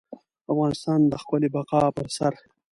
افغانستان د خپلې بقا پر سر.